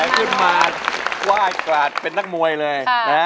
ขึ้นมาวาดกลาดเป็นนักมวยเลย